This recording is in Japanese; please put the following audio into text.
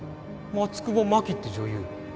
松久保真希って女優。